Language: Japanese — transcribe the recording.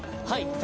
はい。